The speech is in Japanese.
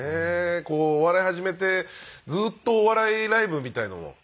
お笑いを始めてずっとお笑いライブみたいなのを。